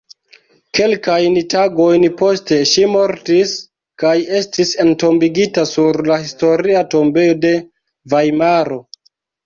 Kelkajn tagojn poste ŝi mortis kaj estis entombigita sur la Historia tombejo de Vajmaro.